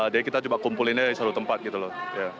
jadi kita coba kumpulin aja di suatu tempat gitu loh